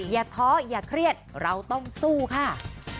อย่าท้ออย่าเครียดเราต้องสู้ค่ะ